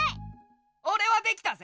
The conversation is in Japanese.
オレはできたぜ！